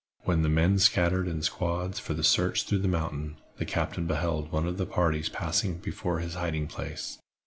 When the men scattered in squads for the search through the mountain, the captain beheld one of the parties passing before his hiding place.